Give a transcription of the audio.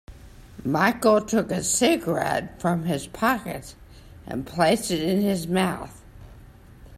Michael took a cigarette from his pocket and placed it in his mouth.